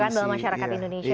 dalam masyarakat indonesia